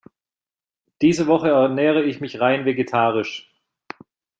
Diese Woche ernähre ich mich rein vegetarisch.